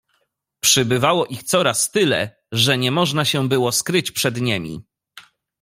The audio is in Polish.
"Przybywało ich coraz tyle, że nie można się było skryć przed niemi."